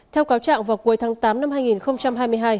theo cáo trạng vào cuối tháng tám năm hai nghìn hai mươi hai